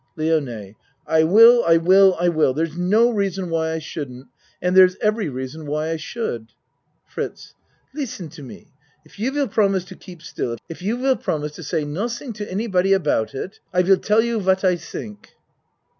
LIONE I will I will I will. There's no rea son why I shouldn't and there's every reason why I should. FRITZ Listen to me. If you will promise to keep still if you will promise to say nodding to anybody about it, I will tell you what I tink.